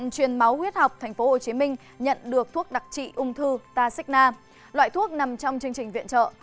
truyền máu huyết học tp hcm nhận được thuốc đặc trị ung thư taxina loại thuốc nằm trong chương trình viện trợ